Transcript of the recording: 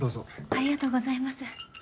ありがとうございます。